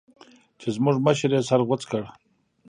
چې زموږ مشر يې سر غوڅ کړ.